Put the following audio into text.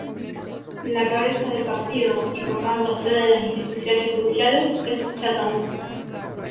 La cabeza de partido y por tanto sede de las instituciones judiciales es Chantada.